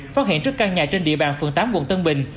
phát hiện trước căn nhà trên địa bàn phường tám quận tân bình